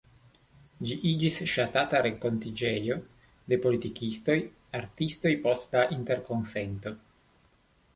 Ĝi iĝis ŝatata renkontiĝejo de la politikistoj, artistoj post la Interkonsento.